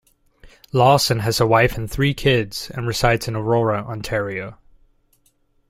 Lawson has a wife and three kids, and resides in Aurora, Ontario.